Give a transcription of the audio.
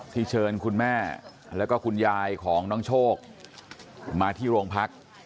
ที่เชิญคุณแม่และคุณยายของน้องโชคมาที่โรงพักษณ์